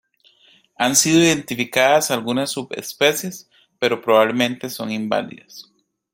Han sido identificadas algunas subespecies, pero probablemente son inválidas.